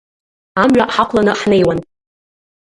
Амҩа ҳақәланы ҳнеиуан.